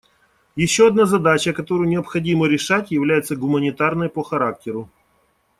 Еще одна задача, которую необходимо решать, является гуманитарной по характеру.